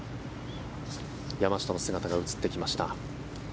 山下の姿が映ってきました。